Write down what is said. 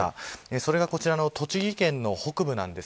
それが、こちらの栃木県の北部です。